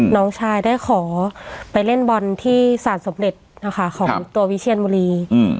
น้องชายได้ขอไปเล่นบอลที่สารสมเด็จนะคะของตัววิเชียนบุรี